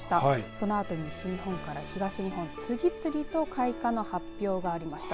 そのあと西日本から東日本次々と開花の発表がありました。